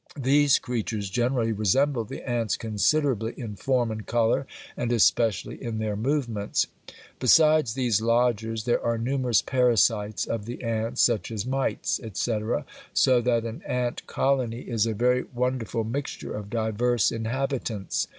These creatures generally resemble the ants considerably in form and colour and especially in their movements. Besides these lodgers there are numerous parasites of the ants, such as mites, etc., so that an ant colony is a very wonderful mixture of diverse inhabitants.